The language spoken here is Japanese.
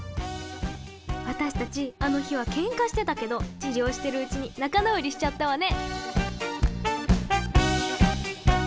私たちあの日はケンカしてたけど治療してるうちに仲直りしちゃったわね。